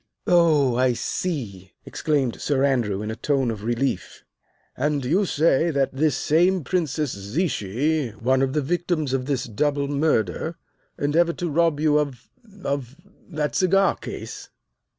"Oh, I see," exclaimed Sir Andrew in a tone of relief. "And you say that this same Princess Zichy, one of the victims of this double murder, endeavored to rob you of of that cigar case."